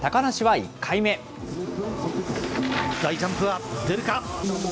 大ジャンプは出るか？